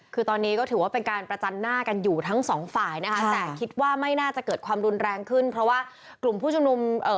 คือตอนนี้ก็ถือว่าเป็นการประจันหน้ากันอยู่ทั้งสองฝ่ายนะคะแต่คิดว่าไม่น่าจะเกิดความรุนแรงขึ้นเพราะว่ากลุ่มผู้ชุมนุมเอ่อ